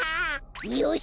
よし。